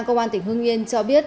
cơ quan tỉnh hương yên cho biết